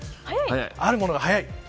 あるものが早い。